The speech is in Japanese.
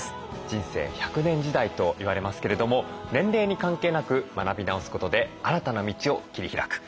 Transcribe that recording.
人生１００年時代と言われますけれども年齢に関係なく学び直すことで新たな道を切り開く。